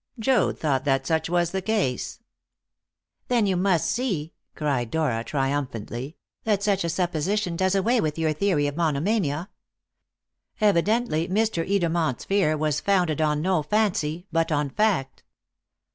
"Joad thought that such was the case." "Then you must see," cried Dora triumphantly, "that such a supposition does away with your theory of monomania. Evidently Mr. Edermont's fear was founded on no fancy, but on fact."